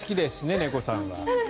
猫さんは。